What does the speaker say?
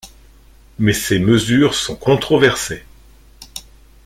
Mais ces mesures sont controversées.